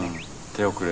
手遅れ。